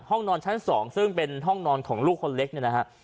ห้องนอนชั้น๒ซึ่งเป็นห้องนอนของลูกคนเล็กเนี่ยนะฮะ